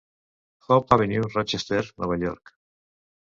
Hope Avenue, Rochester, Nova York.